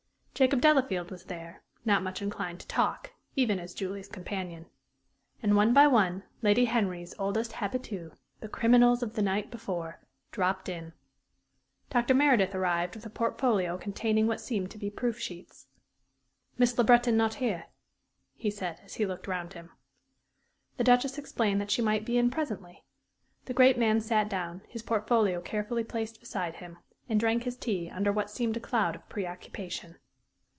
Jacob Delafield was there, not much inclined to talk, even as Julie's champion. And, one by one, Lady Henry's oldest habitués, the "criminals" of the night before, dropped in. Dr. Meredith arrived with a portfolio containing what seemed to be proof sheets. "Miss Le Breton not here?" he said, as he looked round him. The Duchess explained that she might be in presently. The great man sat down, his portfolio carefully placed beside him, and drank his tea under what seemed a cloud of preoccupation.